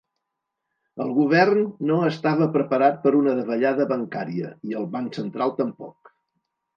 El govern no estava preparat per una davallada bancària, i el banc central tampoc.